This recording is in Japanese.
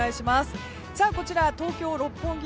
こちら、東京・六本木